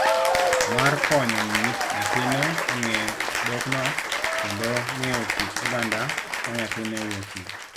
mar konyo nyathine ong'e dhokno kendo ng'eyo kit oganda ma nyathine wuokie.